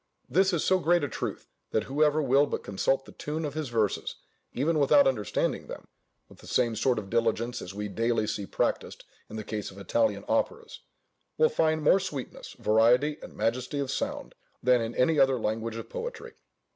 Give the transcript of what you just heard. This is so great a truth, that whoever will but consult the tune of his verses, even without understanding them (with the same sort of diligence as we daily see practised in the case of Italian operas), will find more sweetness, variety, and majesty of sound, than in any other language of poetry.